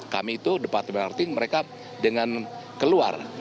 kami itu departemen lrt mereka dengan keluar